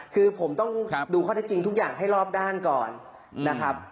คือผมต้องดูข้อเท็จจริงทุกอย่างให้รอบด้านก่อนนะครับ